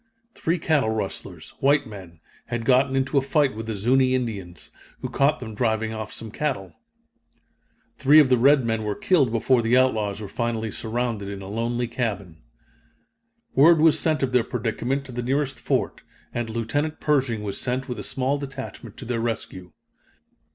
Three cattle rustlers, white men, had gotten into a fight with the Zuni Indians, who caught them driving off some cattle. Three of the red men were killed before the outlaws were finally surrounded in a lonely cabin. Word was sent of their predicament to the nearest fort, and Lieutenant Pershing was sent with a small detachment to their rescue.